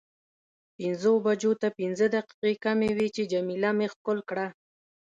پنځو بجو ته پنځه دقیقې کمې وې چې جميله مې ښکل کړه.